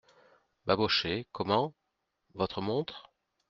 Babochet Comment ! votre montre ?